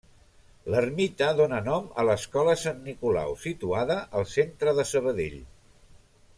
L'ermita dóna nom a l'Escola Sant Nicolau, situada al centre de Sabadell.